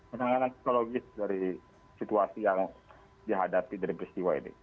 penanganan psikologis dari situasi yang dihadapi dari peristiwa ini